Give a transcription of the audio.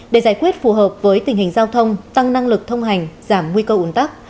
để giải quyết phù hợp với tình hình giao thông tăng năng lực thông hành giảm nguy cơ ủn tắc